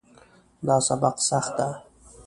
دا سبق سخت ده